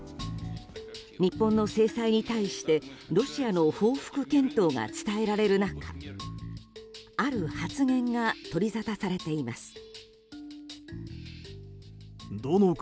日本の制裁に対してロシアの報復検討が伝えられる中、ある発言が取りざたされています。